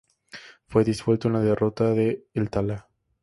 Fue disuelto en la derrota de El Tala.